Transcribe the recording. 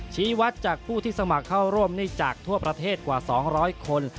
ชี้วัดจากผู้ที่สมัครเข้าร่วมหนี้จากทั่วประเทศกว่า๒๐๐คน